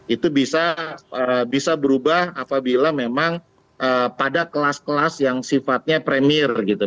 itu bisa berubah apabila memang pada kelas kelas yang sifatnya premier gitu